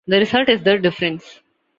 The result is the "difference".